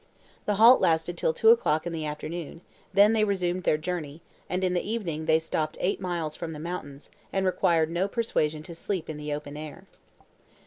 The halt lasted till two o'clock in the afternoon, then they resumed their journey; and in the evening they stopped eight miles from the mountains, and required no persuasion to sleep in the open air.